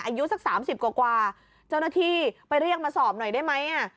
อายุสักสามสิบกว่าเจ้าหน้าที่ไปเรียกมาสอบหน่อยได้ไหม